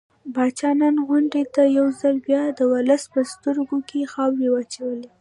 پاچا نن غونډې ته يو ځل بيا د ولس په سترګو کې خاورې واچولې.